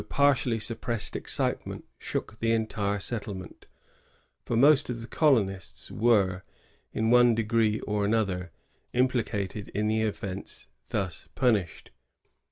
181 partially suppressed excitement shook the entire settlement; for most of the colonists were, in one degree or another, implicated in the offence thus punished.